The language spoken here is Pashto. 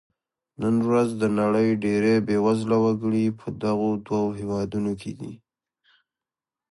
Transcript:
نن ورځ د نړۍ ډېری بېوزله وګړي په دغو دوو هېوادونو کې دي.